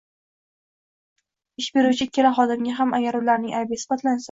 Ish beruvchi ikkala xodimga ham, agar ularning aybi isbotlansa